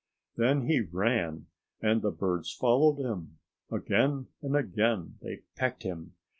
Then he ran, and the birds followed him. Again and again they pecked him.